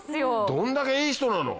どんだけいい人なの。